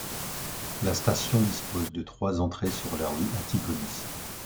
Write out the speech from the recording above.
La station dispose de trois entrées, sur la rue Antigonis.